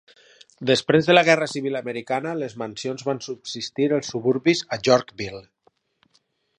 Després de la Guerra Civil Americana, les mansions van substituir els suburbis a Yorkville.